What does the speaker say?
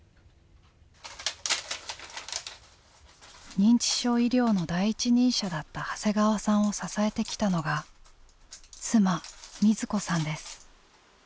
認知症医療の第一人者だった長谷川さんを支えてきたのが妻瑞子さんです。